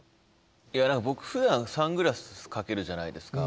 いや何か僕ふだんサングラスかけるじゃないですか。